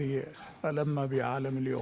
yang menyebabkan dunia ini